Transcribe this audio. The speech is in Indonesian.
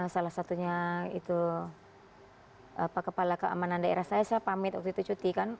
salah satunya itu pak kepala keamanan daerah saya saya pamit waktu itu cuti kan